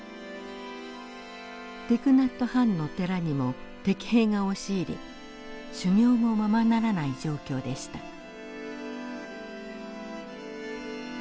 ティク・ナット・ハンの寺にも敵兵が押し入り修行もままならない状況でした。